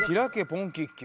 ポンキッキ』